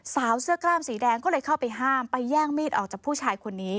สาวเสื้อกล้ามสีแดงก็เลยเข้าไปห้ามไปแย่งมีดออกจากผู้ชายคนนี้